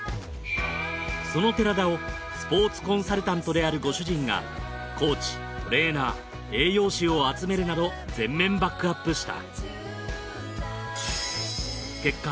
その寺田をスポーツコンサルタントであるご主人がコーチ・トレーナー・栄養士を集めるなど全面バックアップした。